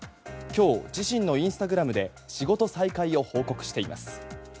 今日、自身のインスタグラムで仕事再開を報告しています。